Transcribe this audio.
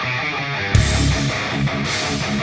หลักของ๙๐๐๐รถ